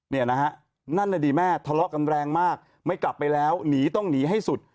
เนี่ยนะฮะนั่นน่ะดิแม่ทะเลาะกันแรงมากไม่กลับไปแล้วหนีต้องหนีให้สุด